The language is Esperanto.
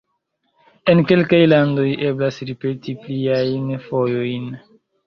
En kelkaj landoj eblas ripeti pliajn fojojn.